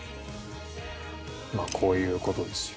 まあこういう事ですよ。